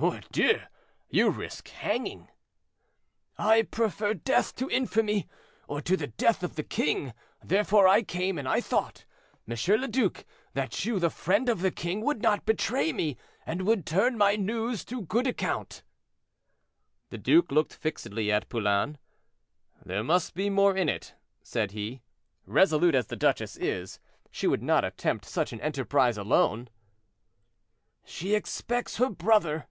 "Mordieu! you risk hanging." "I prefer death to infamy, or to the death of the king, therefore I came; and I thought, M. le Duc, that you, the friend of the king, would not betray me, and would turn my news to good account." The duke looked fixedly at Poulain. "There must be more in it," said he; "resolute as the duchess is, she would not attempt such an enterprise alone." "She expects her brother."